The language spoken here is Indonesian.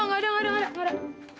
enggak ada enggak ada enggak ada